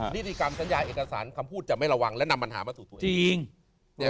นิติกรรมสัญญาเอกสารคำพูดจะไม่ระวังและนำปัญหามาสู่ตัวเอง